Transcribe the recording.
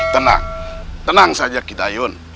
tenang tenang saja gidayun